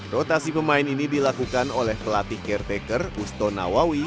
rotasi pemain ini dilakukan oleh pelatih caretaker usto nawawi